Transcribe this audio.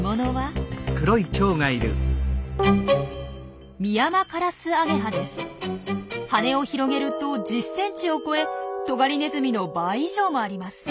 羽を広げると１０ｃｍを超えトガリネズミの倍以上もあります。